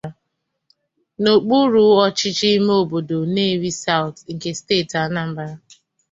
n'okpuru ọchịchị ime obodo 'Nnewi South' nke steeti Anambra.